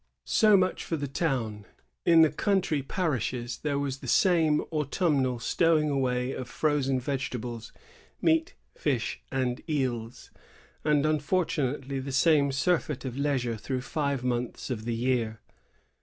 "^ So much for the town. In the country parishes, there was the same autumnal stowing away of frozen vegetables, meat, fish, and eels, and unfortunately the same surfeit of leisure through five months of the year.